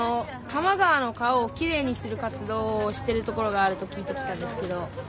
多摩川の川をきれいにする活動をしてるところがあると聞いて来たんですけど。